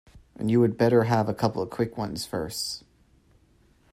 And you had better have a couple of quick ones first.